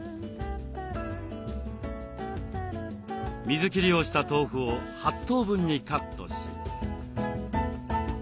水切りをした豆腐を８等分にカットし。